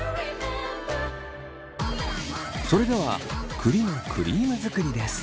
それでは栗のクリーム作りです。